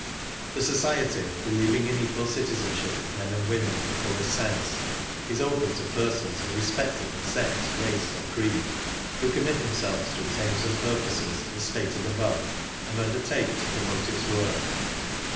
. The Society, believing iu equal citizenship of men and women in the fullest sense, is open to persons irrespective of sex, race or creed, who commit themselves to its aims and purposes as stated above, and tmdertake to promote its work.